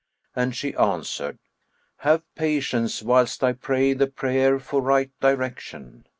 And she answered, "Have patience whilst I pray the prayer for right direction."